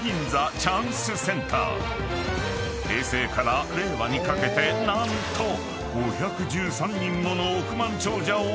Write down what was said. ［平成から令和にかけて何と５１３人もの億万長者を生み］